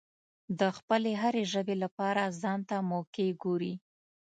د خپلې هرې ژبې لپاره ځانته موقع ګوري.